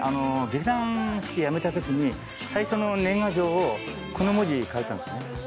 劇団四季辞めたときに最初の年賀状をこの文字書いたんですね。